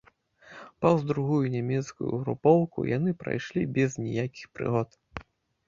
Паўз другую нямецкую групоўку яны прайшлі без ніякіх прыгод.